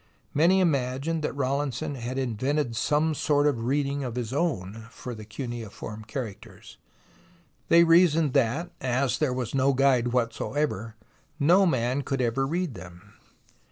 Many imagined that Rawlinson had invented some sort of reading of his own for the cuneiform characters. They reasoned that as there was no guide whatsoever, no man could ever read them.